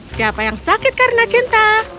siapa yang sakit karena cinta